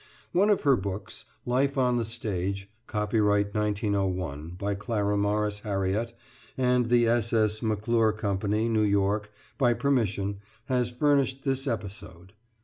One of her books, "Life on the Stage," copyright, 1901, by Clara Morris Harriott and the S. S. McClure Company, New York, by permission, has furnished this episode.